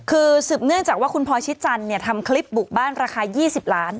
คือสืบเนื่องจากว่าคุณพลอยชิดจันทร์ทำคลิปบุกบ้านราคา๒๐ล้าน